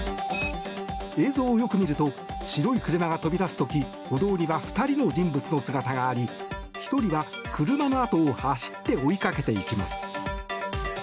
映像をよく見ると白い車が飛び出す時歩道には２人の人物の姿があり１人は車のあとを走って追いかけていきます。